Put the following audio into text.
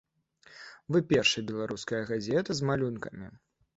Вы першая беларуская газета з малюнкамі.